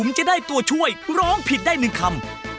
แล้วตัวช่วยของคุณบุ๋ม